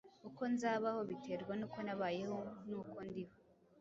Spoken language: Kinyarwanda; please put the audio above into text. "Uko nzabaho biterwa n’uko nabayeho n’uko ndiho"